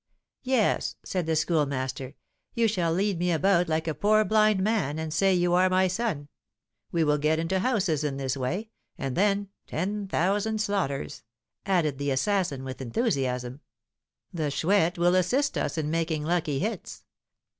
"Yes," said the Schoolmaster, "you shall lead me about like a poor blind man, and say you are my son. We will get into houses in this way, and then ten thousand slaughters!" added the assassin with enthusiasm; "the Chouette will assist us in making lucky hits.